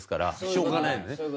しょうがないよね。